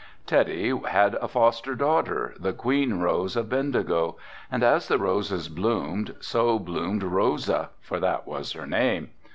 Teddy had a foster daughter, the queen rose of Bendigo, and as the roses bloomed so bloomed Rosa, for that was her name.